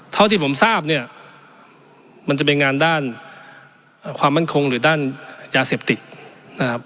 เท่าที่ผมทราบเนี่ยมันจะเป็นงานด้านความมั่นคงหรือด้านยาเสพติดนะครับ